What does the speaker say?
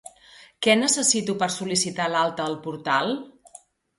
Què necessito per sol·licitar l'alta al portal?